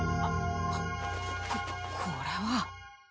ここれは。